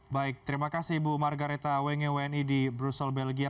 baik terima kasih ibu margaretha wenge wni di brussel belgia